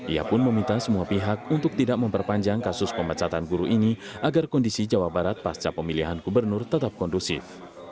ia pun meminta semua pihak untuk tidak memperpanjang kasus pemecatan guru ini agar kondisi jawa barat pasca pemilihan gubernur tetap kondusif